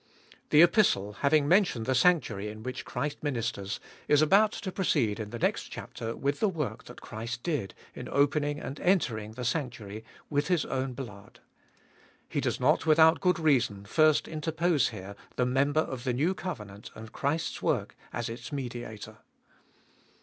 The Epistle, having mentioned the sanctuary in which Christ ministers, is about to proceed in the next chapter with the work that Christ did in opening and entering the sanctuary with His own blood. He does not, without good reason, first interpose here the member of the new covenant and Christ's work as its Mediator.